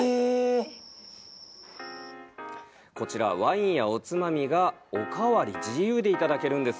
こちら、ワインや、おつまみがおかわり自由でいただけるんです。